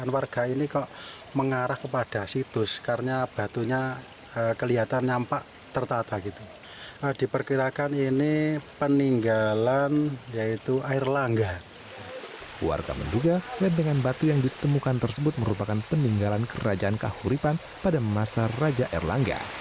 warga menduga lembengan batu yang ditemukan tersebut merupakan peninggalan kerajaan kahuripan pada masa raja erlangga